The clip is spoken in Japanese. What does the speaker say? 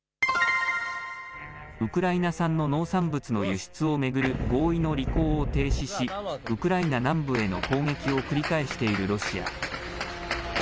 ウクライナ産の農産物の輸出を巡る合意の履行を停止しウクライナ南部への攻撃を繰り返しているロシア。